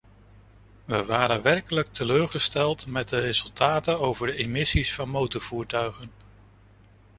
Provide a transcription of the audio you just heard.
We waren werkelijk teleurgesteld met de resultaten over de emissies van motorvoertuigen.